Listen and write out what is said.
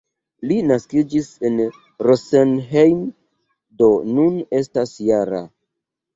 Li naskiĝis en Rosenheim, do nun estas -jara.